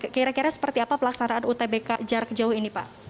kira kira seperti apa pelaksanaan utbk jarak jauh ini pak